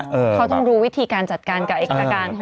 เขาต้องรู้วิธีการจัดการกับเอกตาการหอบเขาน้อย